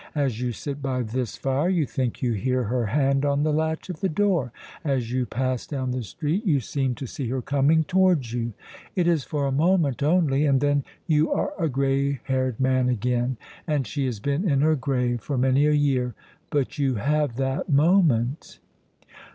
As you sit by this fire you think you hear her hand on the latch of the door; as you pass down the street you seem to see her coming towards you. It is for a moment only, and then you are a gray haired man again, and she has been in her grave for many a year; but you have that moment."